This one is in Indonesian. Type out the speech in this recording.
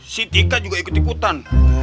si tika juga ikut ikutan